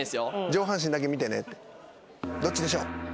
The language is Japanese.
「上半身だけ見てね」ってどっちでしょう？